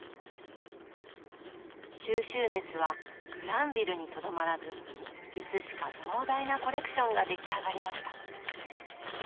蒐集熱はグランヴィルにとどまらずいつしか膨大なコレクションが出来上がりました。